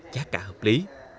giá cả hợp lý